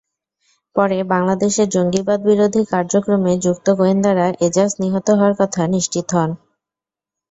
পরে বাংলাদেশের জঙ্গিবাদবিরোধী কার্যক্রমে যুক্ত গোয়েন্দারা এজাজ নিহত হওয়ার কথা নিশ্চিত হন।